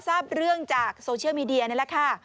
ทราบเรื่องจากโซเชียลมีเดียนี่แหละค่ะ